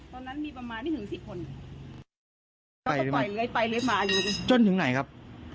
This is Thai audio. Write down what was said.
ไปหรือไม่ไปหนึ่งจนถึงไหนครับ